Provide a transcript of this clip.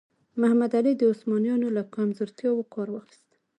محمد علي د عثمانیانو له کمزورتیاوو کار واخیست.